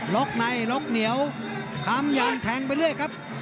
ล็อกในล็อกเหนียวคำยันแทงไปเรื่อยครับ